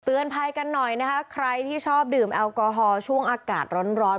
ภัยกันหน่อยนะคะใครที่ชอบดื่มแอลกอฮอล์ช่วงอากาศร้อน